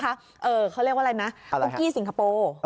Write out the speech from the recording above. เขาเรียกว่าอะไรนะตุ๊กกี้สิงคโปร์